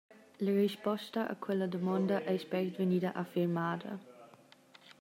La risposta a quella damonda ei spert vegnida affirmada.